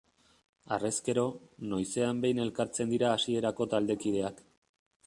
Harrezkero, noizean behin elkartzen dira hasierako taldekideak.